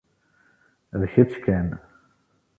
D kečč kan.